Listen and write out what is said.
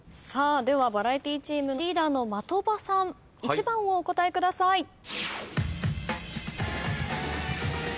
ではバラエティチームリーダーの的場さん１番をお答えください。